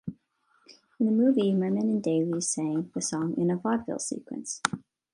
In the movie, Merman and Dailey sang the song in a vaudeville sequence.